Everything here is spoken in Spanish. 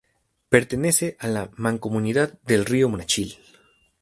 Pertenece a la Mancomunidad del río Monachil.